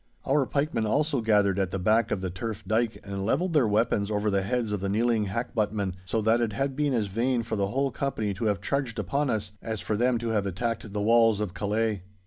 Our pikemen also gathered at the back of the turf dyke and levelled their weapons over the heads of the kneeling hackbuttmen, so that it had been as vain for the whole company to have charged upon us, as for them to have attacked the walls of Calais.